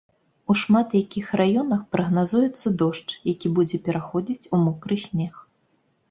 У шмат якіх раёнах прагназуецца дождж, які будзе пераходзіць у мокры снег.